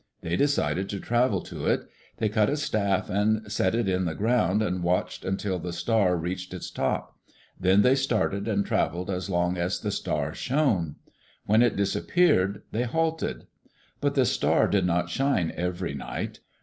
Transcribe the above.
They decided to travel to it. They cut a staff and set it in the ground and watched until the star reached its top. Then they started and travelled as long as the star shone. When it disappeared they halted. But the star did not shine every night.